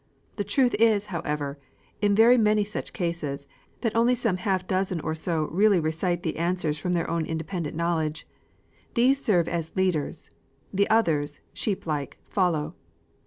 The truth is, however, in very many such cases, that only some half dozen or so really recite the answers from their own independent knowledge. These serve as leaders; the others, sheep like, follow.